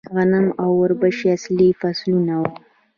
غنم او وربشې اصلي فصلونه وو